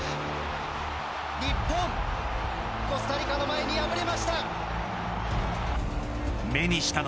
日本、コスタリカの前に敗れました。